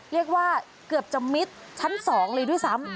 เรียกว่าเกือบจะมิดชั้น๒เลยด้วยซ้ำ